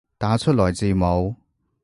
打出來字母